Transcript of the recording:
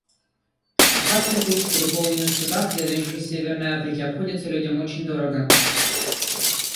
Опасный путь в переполненных судах, следующих из Северной Африки, обходится людям очень дорого.